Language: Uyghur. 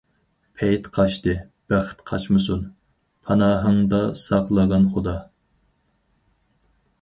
پەيت قاچتى، بەخت قاچمىسۇن، پاناھىڭدا ساقلىغىن خۇدا.